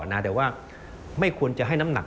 แต่ว่าไม่ควรจะให้น้ำหนัก